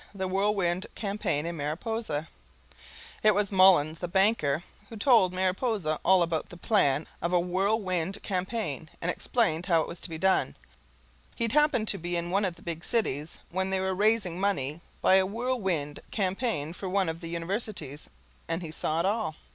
The Whirlwind Campaign in Mariposa It was Mullins, the banker, who told Mariposa all about the plan of a Whirlwind Campaign and explained how it was to be done. He'd happened to be in one of the big cities when they were raising money by a Whirlwind Campaign for one of the universities, and he saw it all.